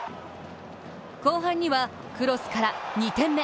後半にはクロスから２点目。